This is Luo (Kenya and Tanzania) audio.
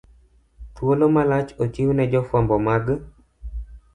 Thuolo malach ochiw ne jofwambo mag